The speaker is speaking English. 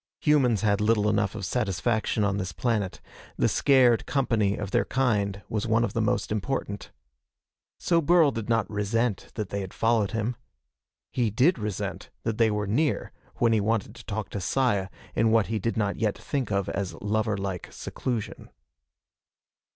Humans had little enough of satisfaction on this planet. The scared company of their kind was one of the most important. So Burl did not resent that they had followed him. He did resent that they were near when he wanted to talk to Saya in what he did not yet think of as lover like seclusion.